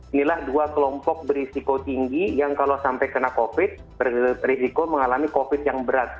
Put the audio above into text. inilah dua kelompok berisiko tinggi yang kalau sampai kena covid risiko mengalami covid yang berat